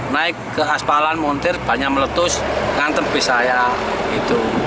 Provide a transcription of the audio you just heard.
naik ke aspalan montir banyak meletus ngantem pisah ya gitu